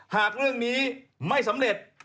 หากเรื่องนี้ไม่สำเร็จ